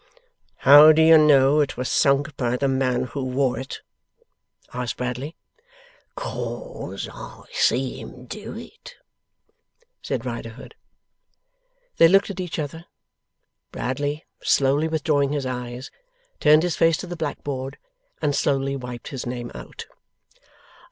'How do you know it was sunk by the man who wore it?' asked Bradley. 'Cause I see him do it,' said Riderhood. They looked at each other. Bradley, slowly withdrawing his eyes, turned his face to the black board and slowly wiped his name out.